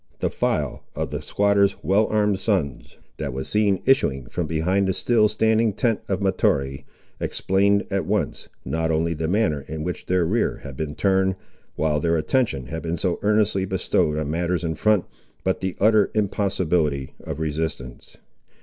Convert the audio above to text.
The file of the squatter's well armed sons, that was seen issuing from behind the still standing tent of Mahtoree, explained at once, not only the manner in which their rear had been turned, while their attention had been so earnestly bestowed on matters in front, but the utter impossibility of resistance.